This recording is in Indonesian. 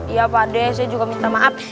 iya pak ade saya juga minta maaf